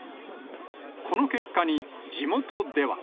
この結果に、地元では。